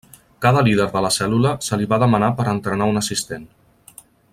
Cada líder de la cèl·lula se li va demanar per entrenar un assistent.